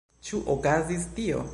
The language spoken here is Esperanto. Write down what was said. Ĉu okazis tio?